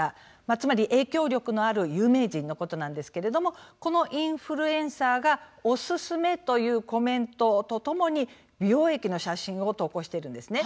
つまり影響力のある有名人のことなんですけれどもこのインフルエンサーが「おすすめ！」というコメントとともに美容液の写真を投稿しているんですね。